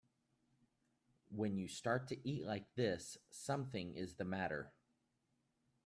When you start to eat like this something is the matter.